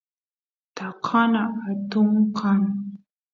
takana atun kan